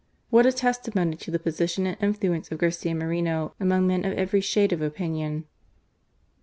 '* What a testimony to the position and influence of Garcia Moreno among men of every shade of opinion